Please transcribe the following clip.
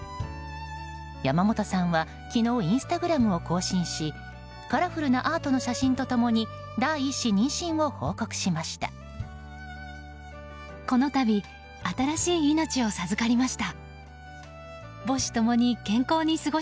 山本さんは昨日、インスタグラムを更新しカラフルなアートの写真と共に第１子妊娠を報告しました。